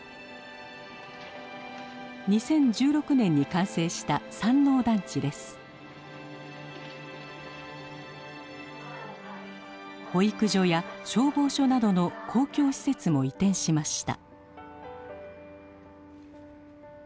２０１６年に完成した保育所や消防署などの公共施設も移転しました。